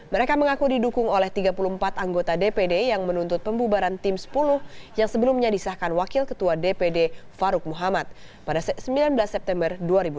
mereka mengaku didukung oleh tiga puluh empat anggota dpd yang menuntut pembubaran tim sepuluh yang sebelumnya disahkan wakil ketua dpd farouk muhammad pada sembilan belas september dua ribu enam belas